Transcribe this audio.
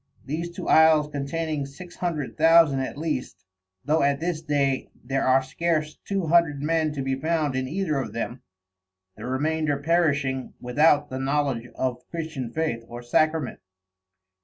These two Isles containing six hundred thousand at least, though at this day there are scarce two hundred men to be found in either of them, the remainder perishing without the knowledge of Christian Faith or Sacrament.